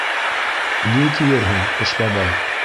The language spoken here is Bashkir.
Ни тиерһең, Ҡыш бабай?